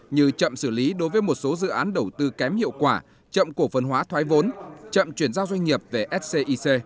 như chậm xử lý đối với một số dự án đầu tư kém hiệu quả chậm cổ phân hóa thoái vốn chậm chuyển giao doanh nghiệp về scic